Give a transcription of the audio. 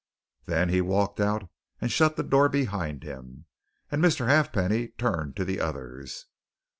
Then he walked out and shut the door behind him, and Mr. Halfpenny turned to the others.